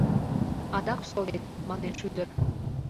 — Адак совет, — манеш ӱдыр.